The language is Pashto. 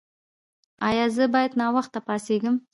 ایا زه باید ناوخته پاڅیږم؟